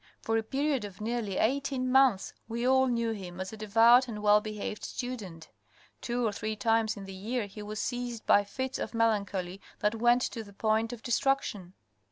For a period of nearly eighteen months we all knew him as a devout and well behaved student. Two or three times in the year he was seized by fits of melancholy that went to the point of dis traction.